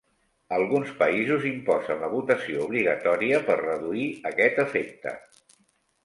Alguns països imposen la votació obligatòria per reduir aquest efecte.